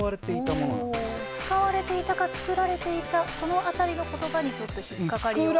「使われていた」か「つくられていた」その辺りの言葉にちょっと引っ掛かりを？